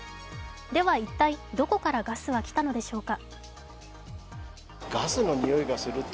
では、一体どこからガスは来たのでしょうか。